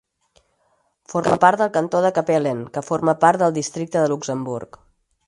Forma part del cantó de Capellen, que forma part del districte de Luxemburg.